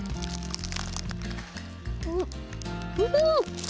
うんうん！